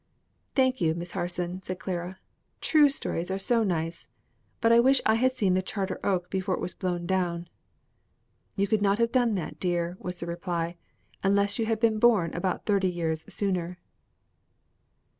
"Thank you, Miss Harson," said Clara; "true stories are so nice! But I wish I had seen the Charter Oak before it was blown down." "You could not have done that, dear," was the reply, "unless you had been born about thirty years sooner."